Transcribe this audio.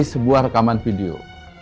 sebuah rekaman video